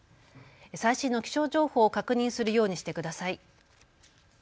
最新の気象情報を確認するようにしてください。